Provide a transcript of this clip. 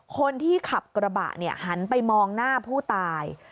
คนที่ขับกระบะหันไปมองหน้าผู้ตาย